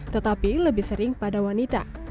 tetapi lebih sering pada wanita